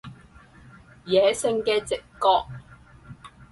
野性嘅直覺